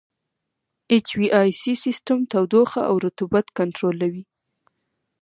اچ وي اې سي سیسټم تودوخه او رطوبت کنټرولوي.